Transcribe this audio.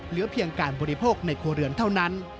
เหลือเพียงการบริโภคในครัวเรือนเท่านั้น